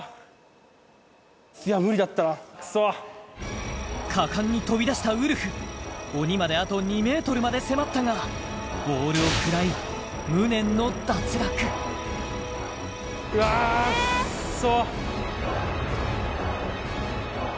無理だったわクソ果敢に飛び出したウルフ鬼まであと２ｍまで迫ったがボールを食らい無念の脱落わあクッソ